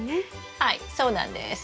はいそうなんです。